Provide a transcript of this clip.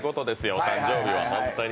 お誕生日は、本当に。